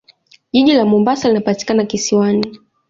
Jiji la Mombasa linapatikana kisiwani.